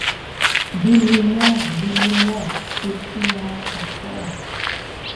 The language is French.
Déliez-moi ! déliez-moi ! s'écria Carfor.